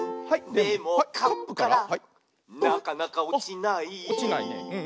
「でもカップからなかなかおちない」